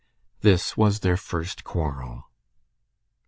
This was "their first quarrel."